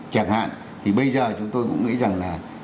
chẳng hạn thì bây giờ chúng tôi cũng nghĩ rằng là